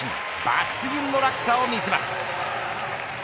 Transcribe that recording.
抜群の落差を見せます。